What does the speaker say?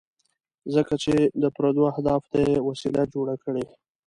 ځکه چې د پردو اهدافو ته یې وسیله جوړه کړې.